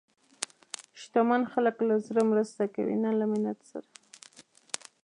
شتمن خلک له زړه مرسته کوي، نه له منت سره.